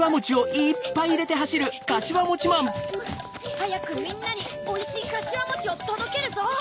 はやくみんなにおいしいかしわもちをとどけるぞ！